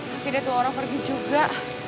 akhirnya tuh orang pergi juga